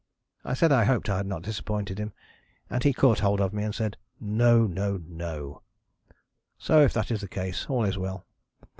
I said I hoped I had not disappointed him, and he caught hold of me and said 'No no No,' so if that is the case all is well.